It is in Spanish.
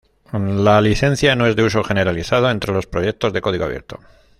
La licencia no es de uso generalizado entre los proyectos de código abierto.